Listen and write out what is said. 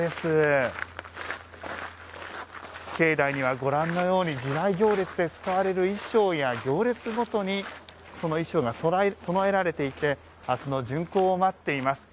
境内には、ご覧のように時代行列で使われる行列ごとに衣装が供えられていて明日の巡行を待っています。